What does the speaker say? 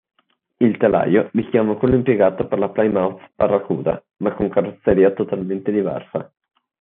Il telaio richiama quello impiegato per la Plymouth Barracuda, ma con carrozzeria totalmente diversa.